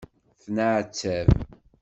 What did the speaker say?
Tenεettab.